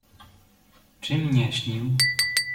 "Czym nie śnił?"